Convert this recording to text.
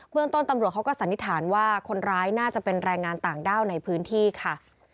เมืองต้นตำรวจเขาก็สันนิษฐานว่าคนร้ายน่าจะเป็นแรงงานต่างด้าวในพื้นที่ค่ะ